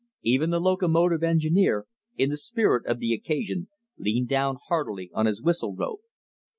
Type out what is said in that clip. Even the locomotive engineer, in the spirit of the occasion, leaned down heartily on his whistle rope.